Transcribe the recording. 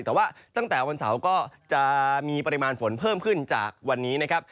แต่ว่าตั้งแต่วันเสาร์ก็จะมีปริมาณฝนเพิ่มขึ้นจากวันนี้นะครับ